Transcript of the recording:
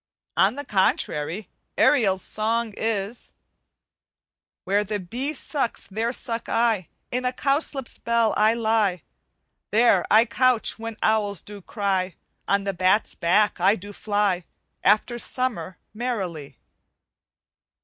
On the contrary, Ariel's song is "Where the bee sucks, there suck I; In a cowslip's bell I lie; There I couch when owls do cry. On the bat's back I do fly, After summer, merrily."